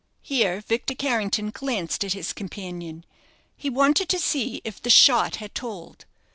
Here Victor Carrington glanced at his companion; he wanted to see if the shot had told.